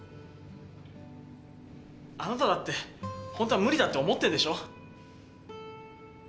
あなただってホントは無理だって思ってんでしょ？